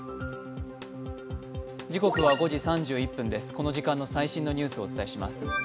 この時間の最新のニュースをお伝えします。